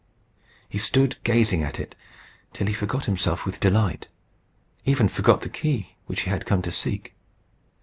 He stood gazing at it till he forgot himself with delight even forgot the key which he had come to seek.